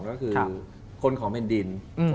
ก็คือคนของแผ่นดิน